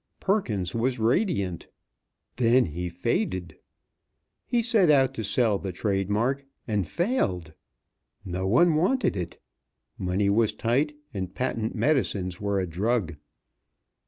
Perkins was radiant. Then he faded. He set out to sell the trade mark, and failed! No one wanted it. Money was tight, and patent medicines were a drug.